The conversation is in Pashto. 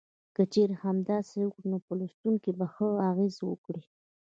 که چېرې همداسې وکړي نو په لوستونکو به ښه اغیز وکړي.